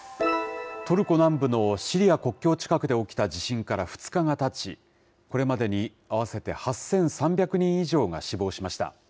トルコ南部のシリア国境近くで起きた地震から２日がたち、これまでに合わせて８３００人以上が死亡しました。